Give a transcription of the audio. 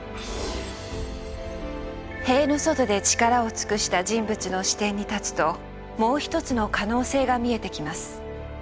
塀の外で力を尽くした人物の視点に立つともう一つの可能性が見えてきます。